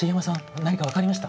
何か分かりました？